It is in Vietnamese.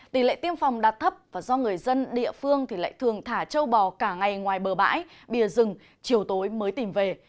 tỷ lệ tiêm phòng đạt thấp và do người dân địa phương thì lại thường thả châu bò cả ngày ngoài bờ bãi bìa rừng chiều tối mới tìm về